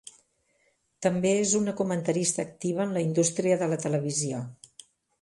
També és una comentarista activa en la indústria de la televisió.